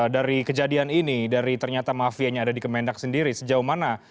dari kejadian ini dari ternyata mafianya ada di kemendak sendiri sejauh mana